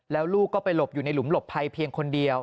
แล้วลูกก็ไปหลบอยู่ในหลุมหลบภัยเพียงคนเดียว